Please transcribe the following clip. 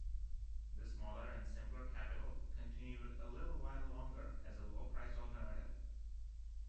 The smaller and simpler Capital continued a little while longer as a low-priced alternative.